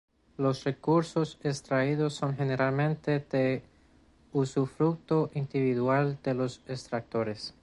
Los recursos extraídos son generalmente de usufructo individual de los extractores.